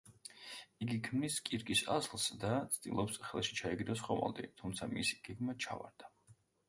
იგი ქმნის კირკის ასლს და ცდილობს ხელში ჩაიგდოს ხომალდი, თუმცა მისი გეგმა ჩავარდა.